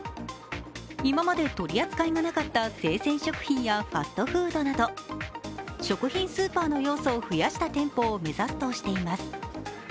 今まで取り扱いがなかった生鮮食費やファストフードなど食品スーパーの要素を増やした店舗を目指すとしています。